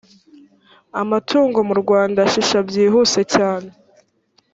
amatungo mu rwanda ashisha byihuse cyane